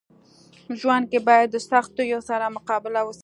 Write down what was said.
ژوند کي باید د سختيو سره مقابله وسي.